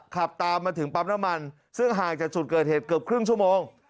ขับตามมาถึงปั๊มน้ำมันซึ่งห่างจากจุดเกิดเหตุเกือบครึ่งชั่วโมง